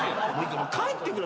帰ってくれ。